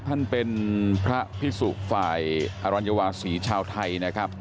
ท่านเป็นพระพิสุฝ่ายอรัญวาศีชาวไทยนะครับ